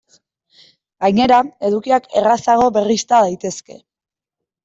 Gainera, edukiak errazago berrizta daitezke.